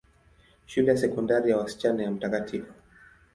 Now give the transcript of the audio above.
Shule ya Sekondari ya wasichana ya Mt.